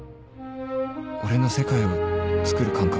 俺の世界を作る感覚